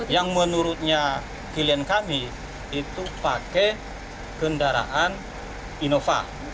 yang menurutnya klien kami itu pakai kendaraan innova